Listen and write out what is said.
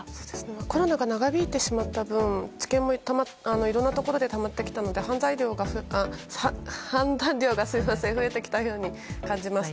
コロナが長引いてしまった分治験もいろんなところでたまってきたので、判断量が増えてきたような気がします。